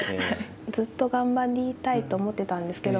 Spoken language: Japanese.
ずっと頑張りたいと思ってたんですけど